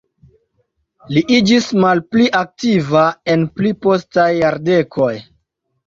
Li iĝis malpli aktiva en pli postaj jardekoj.